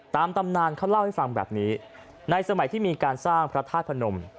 ตำนานเขาเล่าให้ฟังแบบนี้ในสมัยที่มีการสร้างพระธาตุพนม